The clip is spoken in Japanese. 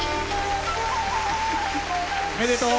おめでとう。